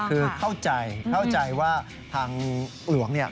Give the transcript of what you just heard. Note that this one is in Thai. ครับคือเข้าใจว่าทางหลวงเนี่ย